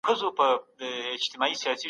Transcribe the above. دغو ناستو به په سیمه کي ثبات راوستی و.